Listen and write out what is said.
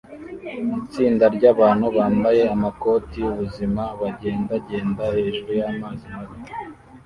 Itsinda ryabantu bambaye amakoti yubuzima bagendagenda hejuru y'amazi mabi